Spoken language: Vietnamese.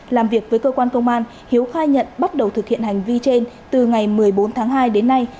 làm việc với cơ quan công an hiếu khai nhận bắt đầu thực hiện hành vi trên từ ngày một mươi bốn tháng hai đến nay